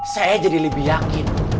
saya jadi lebih yakin